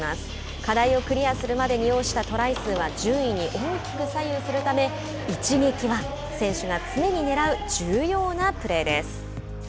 課題をクリアするまでに要したトライ数は順位に大きく左右するため一撃は選手に常にねらう重要なプレーです。